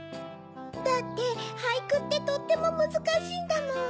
だってはいくってとってもむずかしいんだもん。